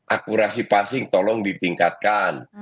akurasi passing tolong ditingkatkan